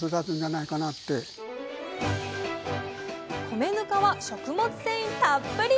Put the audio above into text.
米ぬかは食物繊維たっぷり！